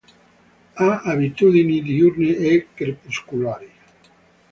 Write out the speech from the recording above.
Ha abitudini diurne e crepuscolari.